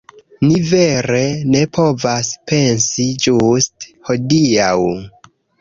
Mi vere ne povas pensi ĝuste hodiaŭ